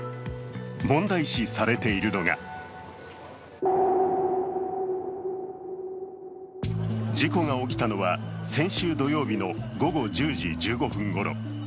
問題視されているのが事故が起きたのは先週土曜日の午後１０時１５分ごろ。